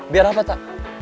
biar apa ta